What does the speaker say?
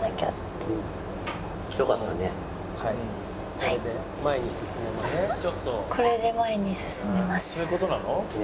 そういう事なの？